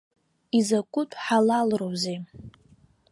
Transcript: Изакәытә ҳалалроузеи!